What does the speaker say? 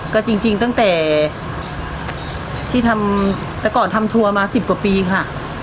ก็จริงตั้งแต่ที่ทำแต่ก่อนทำทัวร์มา๑๐กว่าปีค่ะ